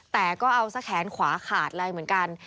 แต่ก็เอาซะแขนขวาขาดเลยเหมือนกัน